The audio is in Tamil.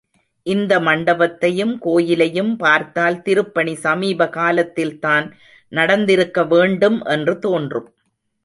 இந்த மண்டபத்தையும் கோயிலையும் பார்த்தால் திருப்பணி சமீபகாலத்தில்தான் நடந்திருக்க வேண்டும் என்று தோன்றும்.